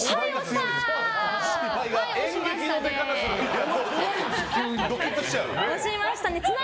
演劇の出方するな。